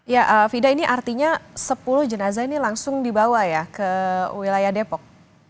ya fida ini artinya sepuluh jenazah ini langsung dibawa ya ke wilayah depok